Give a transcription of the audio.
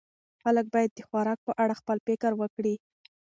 خلک باید د خوراک په اړه خپل فکر وکړي.